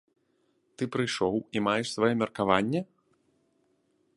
Ты прыйшоў і маеш свае меркаванне?